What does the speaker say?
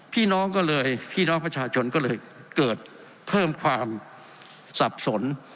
พี่น้องก็เลยพี่น้องประชาชนก็เลยเกิดเพิ่มความสับสน